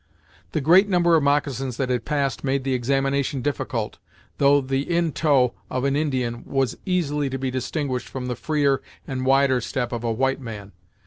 The great number of moccasins that had passed made the examination difficult, though the in toe of an Indian was easily to be distinguished from the freer and wider step of a white man.